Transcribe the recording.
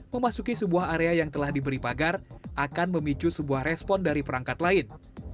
memasuki sebuah area yang telah diberi pagar akan memicu sebuah respon dari perangkat lain